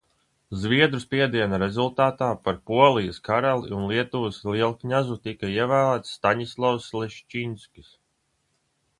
Zviedru spiediena rezultātā par Polijas karali un Lietuvas lielkņazu tika ievēlēts Staņislavs Leščiņskis.